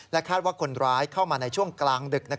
คาดว่าคนร้ายเข้ามาในช่วงกลางดึก